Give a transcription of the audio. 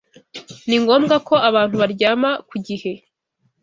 ni ngombwa ko abantu baryama ku gihe